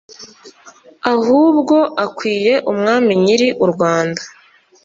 ahubwo akwiye umwami nyiri urwanda"